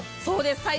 そうです。